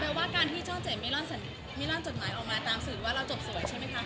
ว่าการที่ช่องเจ็ดมีร่อนจดหมายออกมาตามสื่อว่าเราจบสวยใช่ไหมคะ